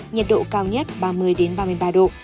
nhiệt độ cao nhất ba mươi ba mươi ba độ